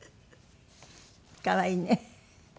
可愛いね。